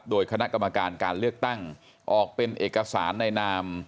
โดยคณะกรรมการการเลือกตั้งออกเป็นเอกสารในนาม